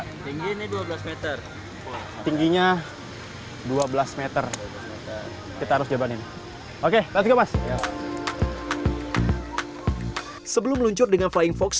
tinggi dua belas m tingginya dua belas m kita harus jelaskan it oke